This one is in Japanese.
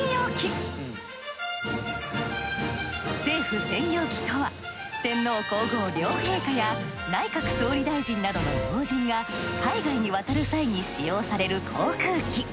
政府専用機とは天皇皇后両陛下や内閣総理大臣などの要人が海外に渡る際に使用される航空機。